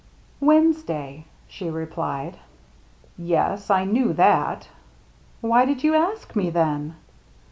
" Wednesday," she replied. "Yes, I knew that" "Why did you ask me, then